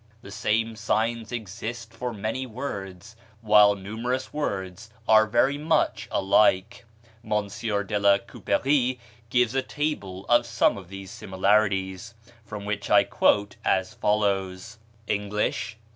The same signs exist for many words, while numerous words are very much alike. M. de la Couperie gives a table of some of these similarities, from which I quote as follows: ++++| English.